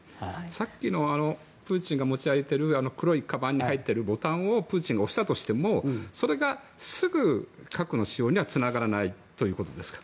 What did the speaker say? さっきプーチンの側近が持っていた黒いかばんに入っているボタンをプーチンが押したとしてもそれがすぐ核の使用にはつながらないということですか？